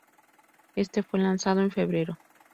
Este fue lanzado en febrero.